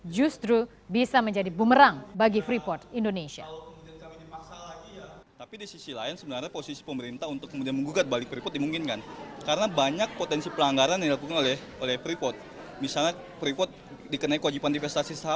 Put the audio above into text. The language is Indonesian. justru bisa menjadi bumerang bagi freeport indonesia